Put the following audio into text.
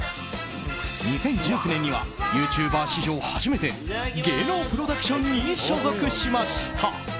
２０１９年にはユーチューバー史上初めて芸能プロダクションに所属しました。